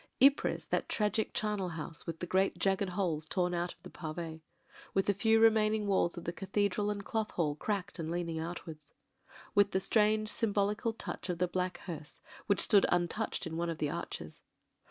Ypres, that tragic chamel house, with the great jagged holes torn out of the pave; with the few re maining walls of the Cathedral and Qoth Hall cracked and leaning outwards; with the strange symbolical BLACK, WHITE, AND— GREY 283 touch of the black hearse which stood untouched in one of the arches.